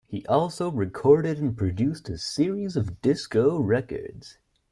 He also recorded and produced a series of disco records.